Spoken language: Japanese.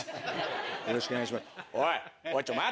よろしくお願いしまおいおい。